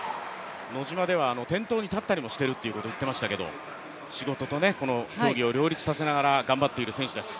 ノジマでは店頭に立ったりもしていると言っていましたけど仕事と競技を両立させながら頑張っている選手です。